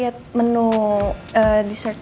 nanti mereka bahas disert itu